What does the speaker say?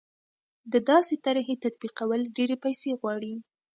د داسې طرحې تطبیقول ډېرې پیسې غواړي.